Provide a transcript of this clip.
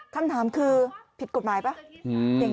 คำถามคือผิดกฎหมายป่ะ